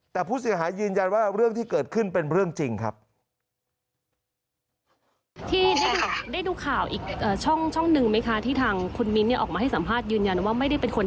แต่ผู้เสียหายยืนยันว่าเรื่องที่เกิดขึ้นเป็นเรื่องจริงครับ